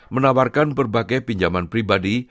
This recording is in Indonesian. menawarkan berbagai pinjaman pribadi